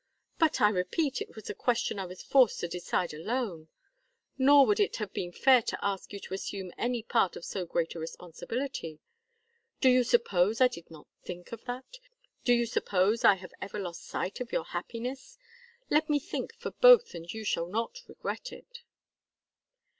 "But, I repeat, it was a question I was forced to decide alone. Nor would it have been fair to ask you to assume any part of so great a responsibility. Do you suppose I did not think of that? Do you suppose I have ever lost sight of your happiness? Let me think for both and you shall not regret it."